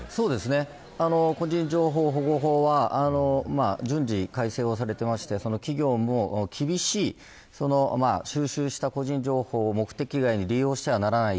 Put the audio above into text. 個人情報保護法は順次改正されていて企業も厳しく収集した個人情報を目的以外に利用してはならないよ。